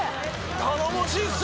頼もしいっす。